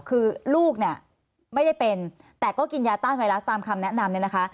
คือลูกไม่ได้เป็นแต่ก็กินยาต้านไวรัสตามคำแนะนำ